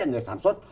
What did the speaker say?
người sản xuất